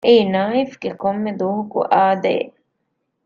އެއީ ނާއިފްގެ ކޮންމެ ދުވަހަކު އާދައެއް